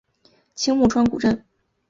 青木川古镇